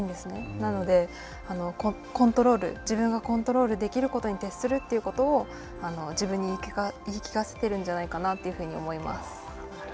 なので、コントロール自分がコントロールできることに徹するということを自分に言い聞かせているんじゃないかなというふうに思います。